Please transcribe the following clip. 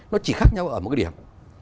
nó chỉ khác nhau ở một điểm